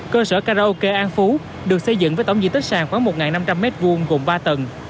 cơ sở karaoke an phú được xây dựng với tổng diện tích sàn khoảng một năm trăm linh m hai gồm ba tầng